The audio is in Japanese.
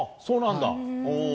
そうなんだ。